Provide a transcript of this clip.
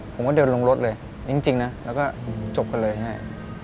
ผมก็เดินลงรถเลยจริงนะแล้วก็จบกันเลยให้